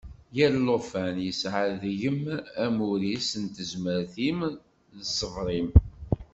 Yal lufan yesɛa deg-m amur-is n tezmert-im d ṣṣber-im.